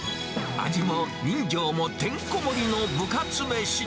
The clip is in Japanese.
味も人情もてんこ盛りの部活めし。